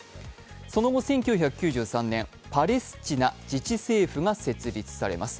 その後、１９９３年パレスチナ自治政府が設立されます。